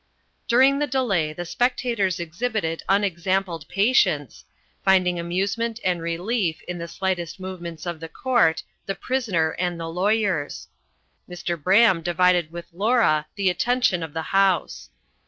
During the delay the spectators exhibited unexampled patience, finding amusement and relief in the slightest movements of the court, the prisoner and the lawyers. Mr. Braham divided with Laura the attention of the house.